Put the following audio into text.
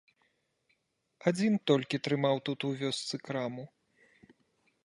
Адзін толькі трымаў тут у вёсцы краму.